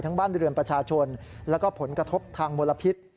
บ้านเรือนประชาชนแล้วก็ผลกระทบทางมลพิษ